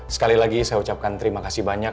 sekali lagi saya ucapkan terima kasih banyak